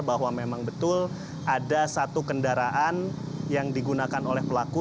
bahwa memang betul ada satu kendaraan yang digunakan oleh pelaku